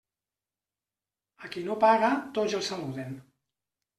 A qui no paga tots els saluden.